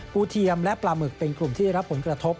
เทียมและปลาหมึกเป็นกลุ่มที่ได้รับผลกระทบ